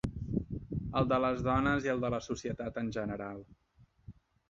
El de les dones i el de la societat en general.